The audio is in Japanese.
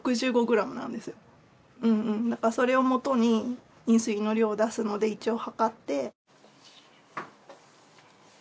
だからそれをもとにインスリンの量を出すので一応測って。